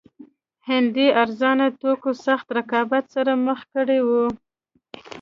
هندي ارزانه توکو سخت رقابت سره مخ کړي وو.